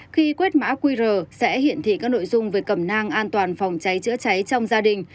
khi quét mã qr sẽ hiển thị các nội dung về cầm nang an toàn phòng cháy chữa cháy trong gia đình